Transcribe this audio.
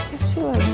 gak sih lagi